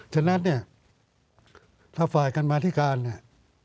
ฉะนั้นเนี่ยถ้าฝ่ายกันมาธิการเนี่ย